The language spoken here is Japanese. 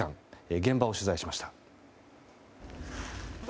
現場を取材しました。